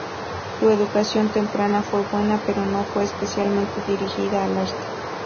Su educación temprana fue buena, pero no fue especialmente dirigida al arte.